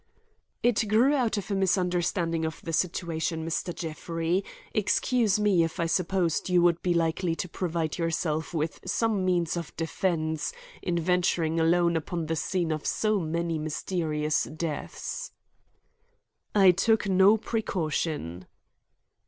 "It grew out of a misunderstanding of the situation, Mr. Jeffrey; excuse me if I supposed you would be likely to provide yourself with some means of defense in venturing alone upon the scene of so many mysterious deaths." "I took no precaution."